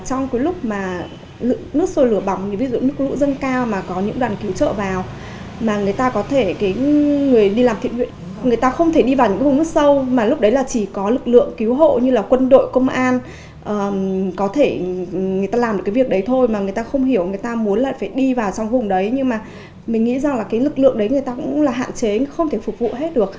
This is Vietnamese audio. trong cái lúc mà nước sôi lửa bỏng ví dụ như nước lũ dân cao mà có những đoàn cứu trợ vào mà người ta không thể đi vào những vùng nước sâu mà lúc đấy là chỉ có lực lượng cứu hộ như là quân đội công an có thể người ta làm được cái việc đấy thôi mà người ta không hiểu người ta muốn là phải đi vào trong vùng đấy nhưng mà mình nghĩ rằng là cái lực lượng đấy người ta cũng là hạn chế không thể phục vụ hết được